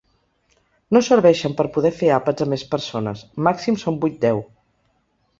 No serveixen per poder fer àpats amb més persones, màxim són vuit-deu!